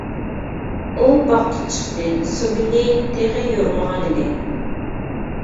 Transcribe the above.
ئۇ باغقا چىقتى، سۈبھى تېخى يورۇمىغانىدى.